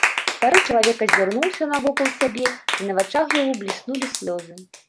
Стары чалавек азірнуўся навокал сябе, і на вачах яго бліснулі слёзы.